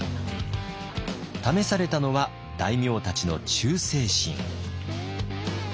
試されたのは大名たちの忠誠心。